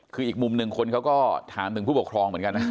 คืออีกมุมหนึ่งคนเขาก็ถามถึงผู้ปกครองเหมือนกันนะ